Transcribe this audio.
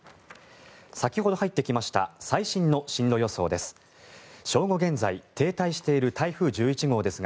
先ほど入ってきました最新の進路予想です。